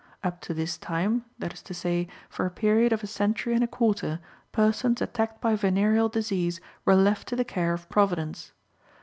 Up to this time, that is to say, for a period of a century and a quarter, persons attacked by venereal disease were left to the care of Providence.